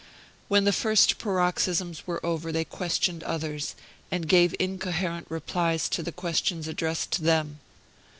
When the first paroxysms were over they questioned others, and gave incoherent replies to the questions addressed to them.